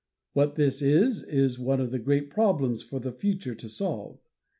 What this is, is one of the great problems for the future to solve.